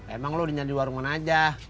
emang lo udah nyari warung mana aja